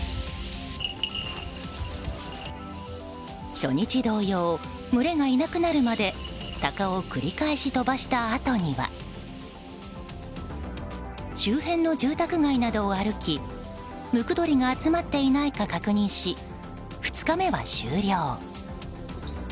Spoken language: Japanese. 初日同様、群れがいなくなるまで鷹を繰り返し飛ばしたあとには周辺の住宅街などを歩きムクドリが集まっていないか確認し、２日目は終了。